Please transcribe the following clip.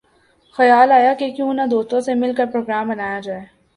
خیال آیا کہ کیوں نہ دوستوں سے مل کر پروگرام بنایا جائے